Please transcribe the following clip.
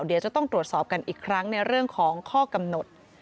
เดี๋ยวจะต้องตรวจสอบกันอีกครั้งในเรื่องของข้อกำหนด